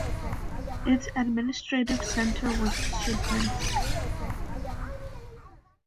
Its administrative centre was Shadrinsk.